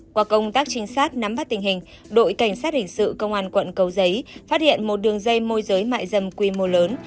qua công tác trinh sát nắm bắt tình hình đội cảnh sát hình sự công an quận cầu giấy phát hiện một đường dây môi giới mại dâm quy mô lớn